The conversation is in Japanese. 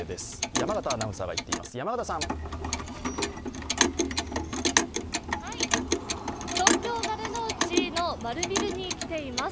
山形アナウンサーが行っています。